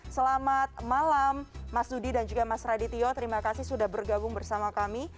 selamat malam mas dudi dan juga mas radityo terima kasih sudah bergabung bersama kami